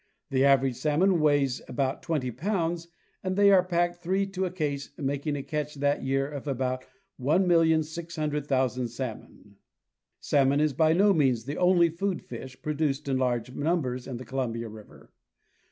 The average salmon weighs about twenty pounds, and they are packed three to a case, making a catch that year of about 1,600,000 salmon. Salmon is by no means the only food fish produced in large numbers in Columbia river.